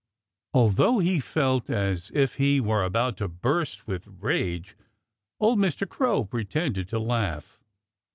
Although he felt as if he were about to burst with rage old Mr. Crow pretended to laugh.